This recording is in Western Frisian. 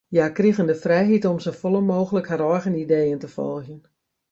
Hja krigen de frijheid om safolle mooglik har eigen ideeën te folgjen.